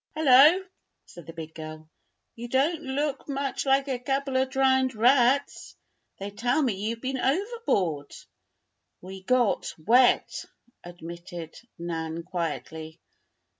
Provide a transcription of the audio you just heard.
"Hullo!" said the big girl. "You don't look much like a couple of drowned rats. They tell me you've been overboard." "We got wet," admitted Nan, quietly.